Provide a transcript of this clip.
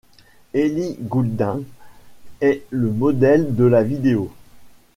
Ellie Goulding est le modèle de la vidéo.